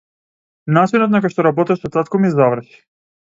Начинот на кој што работеше татко ми заврши.